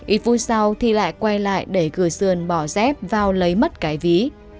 ít phút sau thì lại quay lại để gửi sườn bỏ dép vào lấy mất cái ví